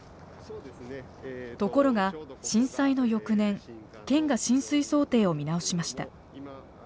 ところが震災の翌年県が浸水想定を見直しました。